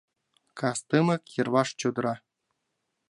Кас тымык, йырваш — чодыра.